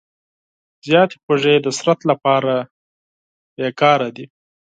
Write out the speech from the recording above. زیاتې خوږې د بدن لپاره مضرې دي.